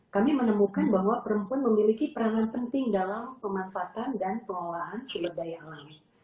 kami menemukan bahwa perempuan memiliki peranan penting dalam pemanfaatan dan pengelolaan sumber daya alam